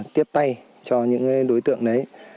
tiếp tay cho những đối tượng đấy